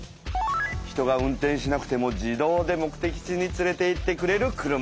人が運転しなくても自動で目的地につれていってくれる車。